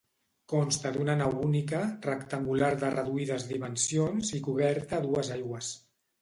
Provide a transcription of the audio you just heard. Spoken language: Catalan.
Consta d'una nau única, rectangular de reduïdes dimensions i coberta a dues aigües.